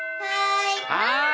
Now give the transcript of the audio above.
はい！